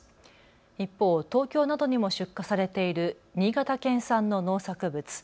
一方、東京などにも出荷されている新潟県産の農作物。